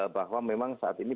bahwa memang saat ini